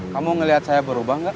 kamu ngelihat saya berubah nggak